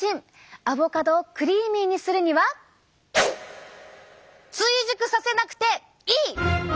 アボカドをクリーミーにするには追熟させなくていい！